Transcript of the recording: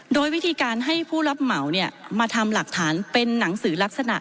โดยวิธีการให้ผู้รับเหมามาทำหลักฐานเป็นหนังสือลักษณะ